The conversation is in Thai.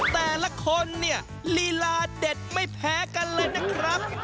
แต่ละคนเนี่ยลีลาเด็ดไม่แพ้กันเลยนะครับ